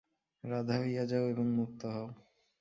রাধা হইয়া যাও এবং মুক্ত হও।